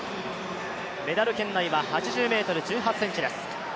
メダル圏内は８０ｍ１８ｃｍです。